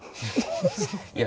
いや。